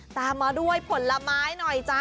ตามมาด้วยผลไม้หน่อยจ๊ะ